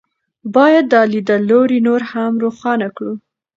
باید دا لیدلوری نور هم روښانه کړو.